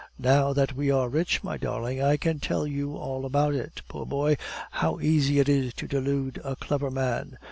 "Now that we are rich, my darling, I can tell you all about it. Poor boy! how easy it is to delude a clever man!